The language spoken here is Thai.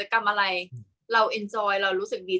กากตัวทำอะไรบ้างอยู่ตรงนี้คนเดียว